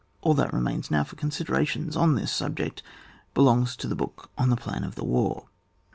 All that remains now for con sideration on this subject belongs to the book on the plan of the war.